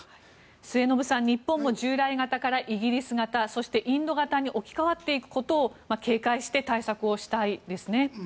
末延さん、日本も従来型からイギリス型そしてインド型に置き換わっていくことを警戒して対策をしたいですね。